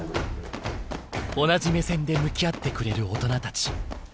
同じ目線で向き合ってくれる大人たち。